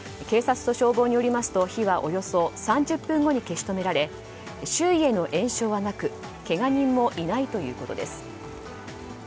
警察と消防によりますと、火はおよそ３０分後に消し止められ周囲への延焼はなくけが人もいないということです。